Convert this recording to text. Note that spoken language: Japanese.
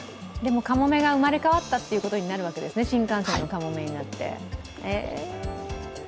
かもめが生まれ変わったということになるわけですね、新幹線のかもめによって。